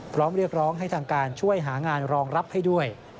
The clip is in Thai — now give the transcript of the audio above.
เรียกร้องให้ทางการช่วยหางานรองรับให้ด้วย